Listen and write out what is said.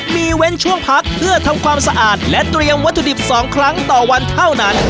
มีเว้นช่วงพักเพื่อทำความสะอาดและเตรียมวัตถุดิบ๒ครั้งต่อวันเท่านั้น